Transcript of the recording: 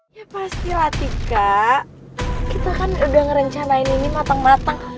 ya pasti lah tika kita kan udah ngerencanain ini mateng mateng